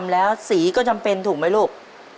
นอกจากสีขาวดำแล้วสีก็จำเป็นถูกไหมลูก